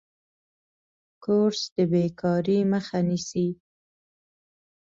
کورس د بیکارۍ مخه نیسي.